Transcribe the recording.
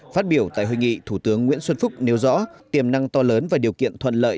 phát biểu tại hội nghị thủ tướng nguyễn xuân phúc nêu rõ tiềm năng to lớn và điều kiện thuận lợi